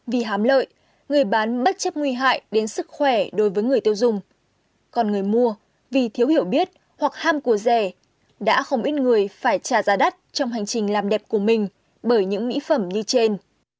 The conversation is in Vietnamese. vì hám lợi người bán bất chấp nguy hại đến sức khỏe đối với người tiêu dùng còn người mua vì thiếu hiểu biết hoặc ham cùa rẻ đã không ít người phải trả giá đắt trong hành trình làm đẹp của mình bởi những mỹ phẩm như trên